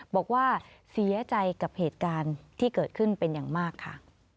บอกว่าเสียใจกับเหตุการณ์ที่เกิดขึ้นเป็นอย่างมากค่ะ